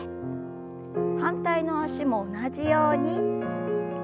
反対の脚も同じように。